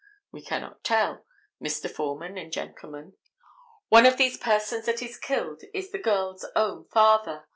We cannot tell, Mr. Foreman and gentlemen. One of these persons that is killed is this girl's own father.